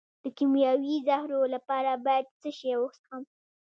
د کیمیاوي زهرو لپاره باید څه شی وڅښم؟